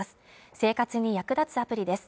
生活に役立つアプリです。